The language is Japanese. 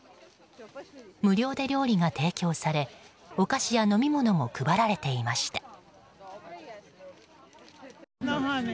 無料で料理が提供されお菓子や飲み物も配られていました。